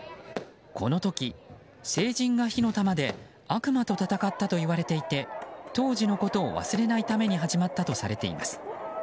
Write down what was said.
この時、聖人が火の玉で悪魔と戦ったといわれていて当時のこと忘れないために始まったとされています。